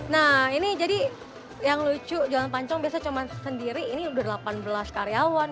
nah ini jadi yang lucu jalan pancong biasanya cuma sendiri ini udah delapan belas karyawan